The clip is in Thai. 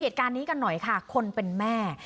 เหตุการณ์นี้กันหน่อยค่ะคนเป็นแม่